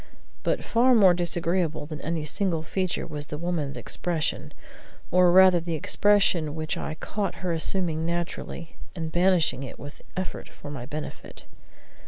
But far more disagreeable than any single feature was the woman's expression, or rather the expression which I caught her assuming naturally, and banishing with an effort for my benefit.